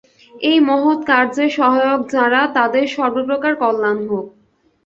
এই মহৎ কার্যের সহায়ক যাঁরা, তাদের সর্বপ্রকার কল্যাণ হোক।